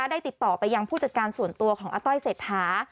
ได้ติดต่อไปยังผู้จัดการส่วนตัวของอาต้อยเศรษฐา